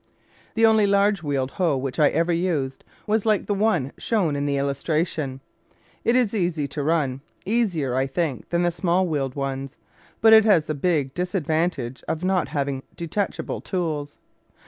The only large wheeled hoe which I ever used was hke the one shown in the illustration. It is easy to run — easier, I think, than the small wheeled ones — but it has the big disadvantage of not hav ing detachable tools.